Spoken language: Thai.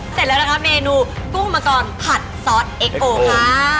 เสร็จแล้วนะคะเมนูกุ้งมังกรผัดซอสเอ็กโอค่ะ